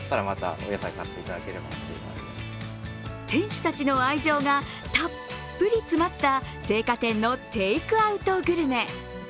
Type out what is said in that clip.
店主たちの愛情がたっぷり詰まった青果店のテイクアウトグルメ。